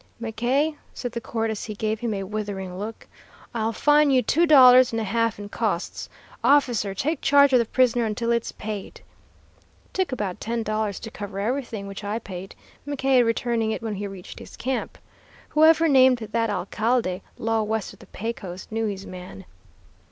"'McKay,' said the court as he gave him a withering look, 'I'll fine you two dollars and a half and costs. Officer, take charge of the prisoner until it's paid!' It took about ten dollars to cover everything, which I paid, McKay returning it when he reached his camp. Whoever named that alcalde 'Law west of the Pecos' knew his man."